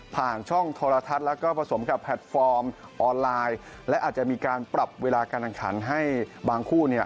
ช่องโทรทัศน์แล้วก็ผสมกับแพลตฟอร์มออนไลน์และอาจจะมีการปรับเวลาการแข่งขันให้บางคู่เนี่ย